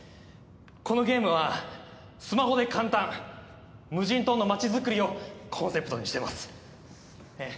このゲームはスマホで簡単無人島の街づくりをコンセプトにしてますええ